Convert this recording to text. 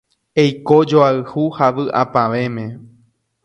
Eiko joayhu ha vy'apavẽme.